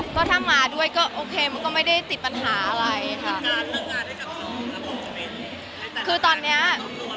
ก็ถ้ามาด้วยก็โอเคมันก็ไม่ได้ติดปัญหาอะไรค่ะ